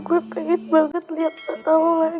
saya tidak sabar melewati semua masalah saya